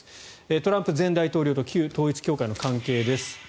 トランプ前大統領と旧統一教会の関係です。